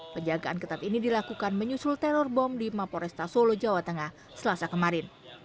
penjagaan ketat ini dilakukan menyusul teror bom di mapo resta solo jawa tengah selasa kemarin